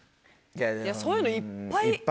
そういうのいっぱい。